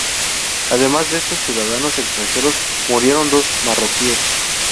Además de estos ciudadanos extranjeros, murieron dos marroquíes.